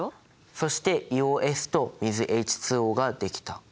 そして硫黄Ｓと水ＨＯができた。